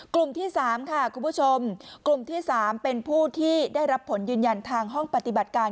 กลุ่มที่๓ค่ะคุณผู้ชมกลุ่มที่๓เป็นผู้ที่ได้รับผลยืนยันทางห้องปฏิบัติการ